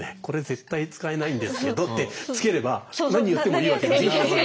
これ絶対使えないんですけどってつければ何言ってもいいわけだから。